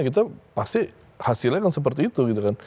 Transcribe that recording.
kita pasti hasilnya kan seperti itu gitu kan